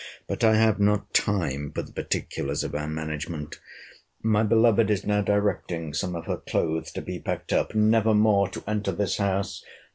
But I have not time for the particulars of our management. My beloved is now directing some of her clothes to be packed up—never more to enter this house!